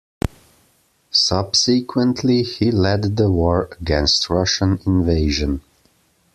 Subsequently, he led the war against Russian invasion.